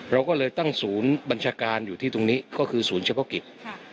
เราก็เลยตั้งศูนย์บัญชาการอยู่ที่ตรงนี้ก็คือศูนย์เฉพาะกิจ